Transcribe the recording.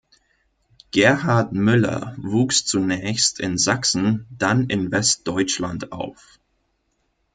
Gerhard Müller wuchs zunächst in Sachsen, dann in Westdeutschland auf.